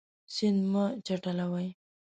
سیند مه چټلوئ.